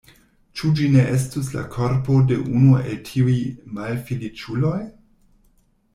Ĉu ĝi ne estus la korpo de unu el tiuj malfeliĉuloj?